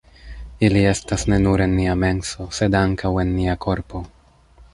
Ili estas ne nur en nia menso, sed ankaŭ en nia korpo.